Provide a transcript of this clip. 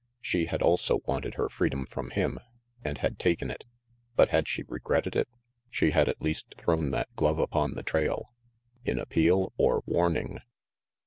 She had also wanted her freedom from him, and had taken it. But had she regretted it? She had at least thrown that glove upon the trail. In appeal, or warning?